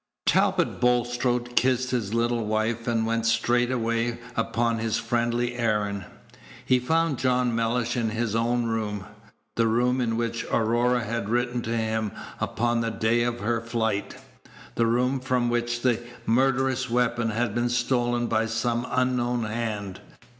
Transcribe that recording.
Talbot Bulstrode kissed his little wife, and went straight away upon his friendly errand. He found John Mellish in his own room the room in which Aurora had written to him upon the day of her flight the room from which the murderous weapon had been stolen by some unknown hand.